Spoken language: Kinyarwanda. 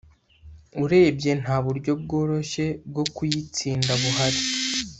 urebye nta buryo bworoshye bwo kuyitsinda buhari